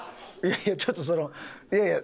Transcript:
いやちょっとその。